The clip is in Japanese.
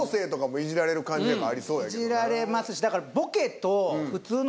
イジられますしだから。